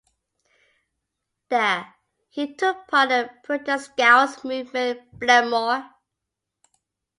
There, he took part in the Breton Scouts movement Bleimor.